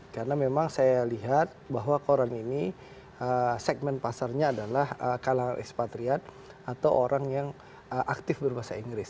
karena memang saya lihat bahwa koran ini segmen pasarnya adalah kalangan ekspatrian atau orang yang aktif berbahasa inggris